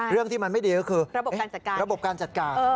เรื่องที่มันไม่ดีก็คือระบบการจัดการ